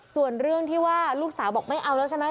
ส่วนเรื่องที่ว่าลูกสาวบอกไม่เอาแล้วใช่ไหม